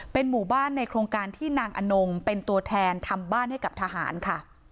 เป็นหมู่บ้านในโครงการที่นางอนงเป็นตัวแทนทำบ้านให้กับทหารค่ะ